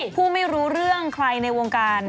ไม่รู้เรื่องใครในวงการ